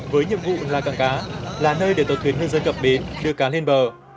với nhiệm vụ là cảng cá là nơi để tàu thuyền hương dân cập biến đưa cá lên bờ